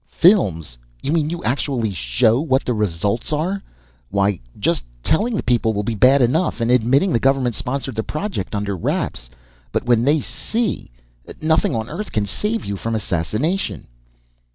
"Films? You mean you'll actually show what the results are? Why, just telling the people will be bad enough. And admitting the government sponsored the project under wraps. But when they see, nothing on earth can save you from assassination."